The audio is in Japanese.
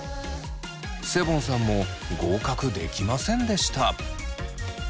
セボンさんも合格できませんでした。